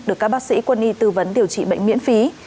được các bác sĩ quân y tư vấn điều trị bệnh miễn phí